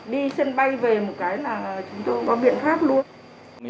đi sân bay về một cái là chúng tôi có biện pháp luôn